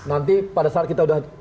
nanti pada saat kita udah